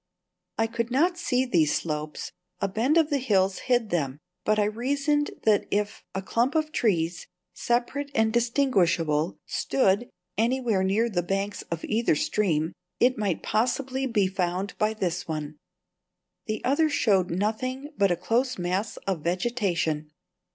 I could not see these slopes a bend of the hills hid them; but I reasoned that if a clump of trees, separate and distinguishable, stood anywhere near the banks of either stream, it might possibly be found by this one. The other showed nothing but a close mass of vegetation.